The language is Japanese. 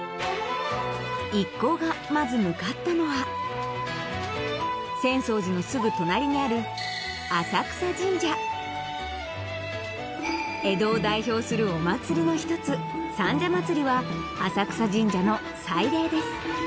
一行がまず向かったのは浅草寺のすぐ隣にある江戸を代表するお祭りの一つ三社祭は浅草神社の祭礼です